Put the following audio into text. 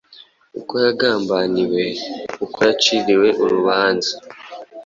uko yagambaniwe, uko yaciriwe urubanza,